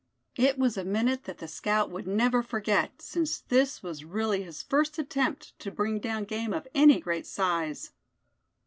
It was a minute that the scout would never forget, since this was really his first attempt to bring down game of any great size.